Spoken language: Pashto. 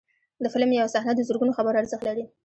د فلم یو صحنه د زرګونو خبرو ارزښت لري.